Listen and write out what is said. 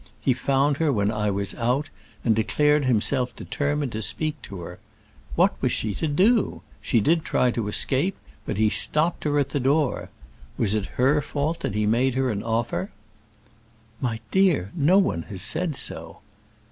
He found her when I was out, and declared himself determined to speak to her. What was she to do? She did try to escape, but he stopped her at the door. Was it her fault that he made her an offer?" "My dear, no one has said so."